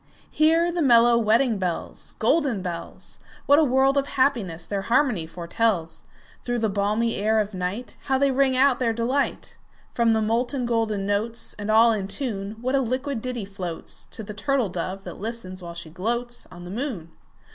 Hear the mellow wedding bells, Golden bells! What a world of happiness their harmony foretells! Through the balmy air of nightHow they ring out their delight! From the molten golden notes, And all in tune, What a liquid ditty floatsTo the turtle dove that listens, while she gloatsOn the moon!